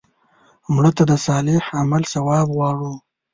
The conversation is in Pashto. مړه ته د صالح عمل ثواب غواړو